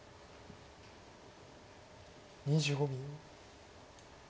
２５秒。